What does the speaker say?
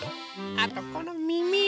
あとこのみみ！